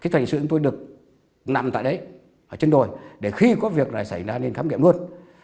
thành sự chúng tôi được nằm tại đấy ở trên đồi để khi có việc này xảy ra nên khám nghiệm luôn